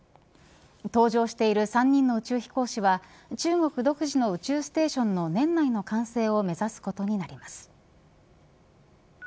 搭乗している３人の宇宙飛行士は中国独自の宇宙ステーションの年内の完成を目指すことになります。